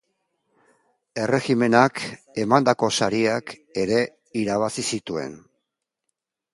Erregimenak emandako sariak ere irabazi zituen.